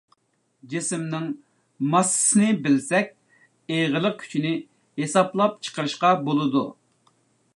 جىسىمنىڭ ماسسىسىنى بىلسەك ئېغىرلىق كۈچىنى ھېسابلاپ چىقىرىشقا بولىدۇ.